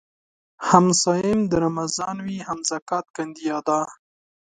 هم صايم د رمضان وي هم زکات کاندي ادا